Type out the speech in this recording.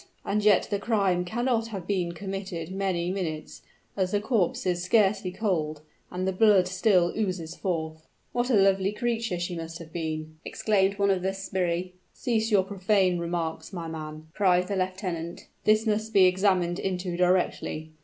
"And yet the crime cannot have been committed many minutes, as the corpse is scarcely cold, and the blood still oozes forth." "What a lovely creature she must have been," exclaimed one of the sbirri. "Cease your profane remarks, my man," cried the lieutenant. "This must be examined into directly.